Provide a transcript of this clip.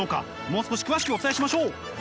もう少し詳しくお伝えしましょう。